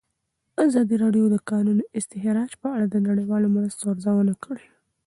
ازادي راډیو د د کانونو استخراج په اړه د نړیوالو مرستو ارزونه کړې.